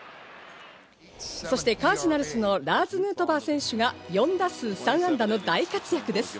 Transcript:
そしてカージナルスのラーズ・ヌートバー選手が４打数３安打の大活躍です。